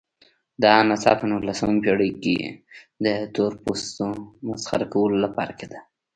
دا نڅا په نولسمه پېړۍ کې د تورپوستو مسخره کولو لپاره کېده.